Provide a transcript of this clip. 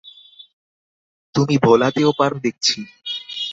তুমি ভোলাতেও পারো দেখছি।